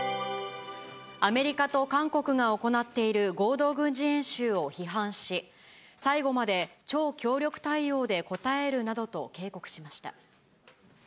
アメリカと韓国が行っている合同軍事演習を批判し、最後まで超強力対応で応えるなどと警告しました。